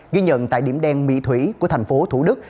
ghi nhận tại điểm đen mỹ thủy của thành phố thủ đức